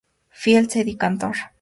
Fields y Eddie Cantor.